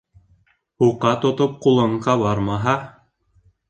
Һуҡа тотоп ҡулың ҡабармаһа